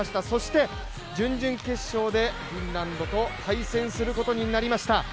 そして準々決勝でフィンランドと対戦することになりました。